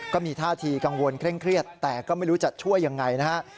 ก็มีท่าทีกังวลเคร่งเครียดแต่ก็ไม่รู้จะช่วยยังไงนะฮะ